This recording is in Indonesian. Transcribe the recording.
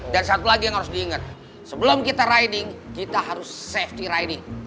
dan satu lagi yang harus diingat sebelum kita riding kita harus safety riding